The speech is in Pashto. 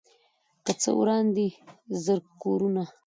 څه که وران دي زر کورونه